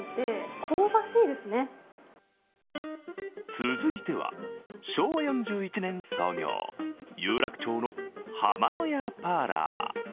続いては、昭和４１年創業、有楽町のはまの屋パーラー。